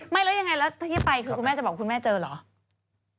ไม่แล้วยังไงก่อนไปคุณแม่จะบอกว่าคุณแม่เจอหรือ